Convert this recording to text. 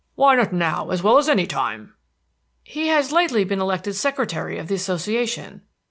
"Why not now as well as any time?" "He has lately been elected secretary of the Association."